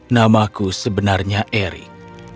namaku sebenarnya eric